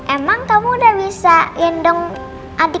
emang kamu udah bisa gendong bolang biru